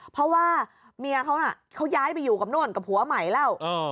เพราะว่าเมียเขาน่ะเขาย้ายไปอยู่กับโน่นกับผัวใหม่แล้ว